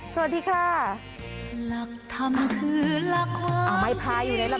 สวัสดีค่ะ